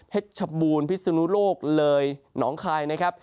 ชบูรณ์พิศนุโลกเลยหนองคายนะครับ